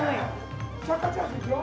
シャッターチャンスいくよ。